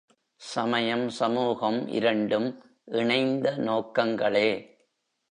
சமயம், சமூகம், இரண்டும் இணைந்த நோக்கங்களே!